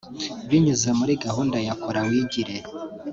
Binyuze muri gahunda ya Kora Wigire